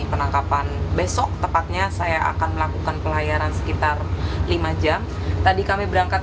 penangkapan besok tepatnya saya akan melakukan pelayaran sekitar lima jam tadi kami berangkat